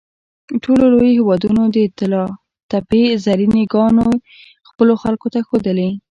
ټولو لویو هېوادونو د طلاتپې زرینې ګاڼې خپلو خلکو ته ښودلې.